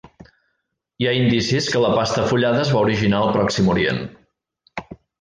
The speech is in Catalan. Hi ha indicis que la pasta fullada es va originar al Pròxim Orient.